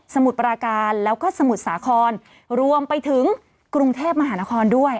มุดปราการแล้วก็สมุทรสาครรวมไปถึงกรุงเทพมหานครด้วย